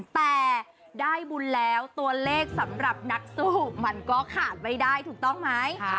แต่ได้บุญแล้วตัวเลขสำหรับนักสู้มันก็ขาดไม่ได้ถูกต้องไหม